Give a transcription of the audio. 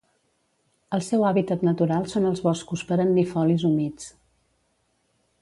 El seu hàbitat natural són els boscos perennifolis humits.